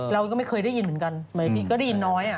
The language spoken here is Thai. เราก็ไม่เคยได้ยินเหมือนกันก็ได้ยินน้อย